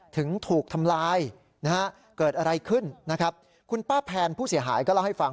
ถึงถูกทำลายนะฮะเกิดอะไรขึ้นนะครับคุณป้าแพนผู้เสียหายก็เล่าให้ฟัง